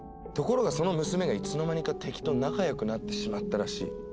ところがその娘がいつの間にか敵と仲良くなってしまったらしい。